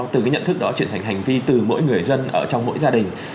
từ cái nhận thức đó trở thành hành vi từ mỗi người dân ở trong mỗi gia đình